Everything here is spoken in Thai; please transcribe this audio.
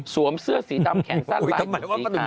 สวมเสื้อสีดำแขนสั้นร้ายหนูสีกาว